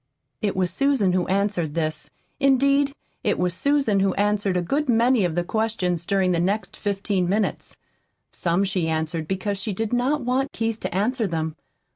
It was Susan who answered this. Indeed, it was Susan who answered a good many of the questions during the next fifteen minutes. Some she answered because she did not want Keith to answer them.